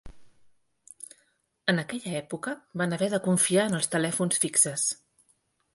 En aquella època, van haver de confiar en els telèfons fixes.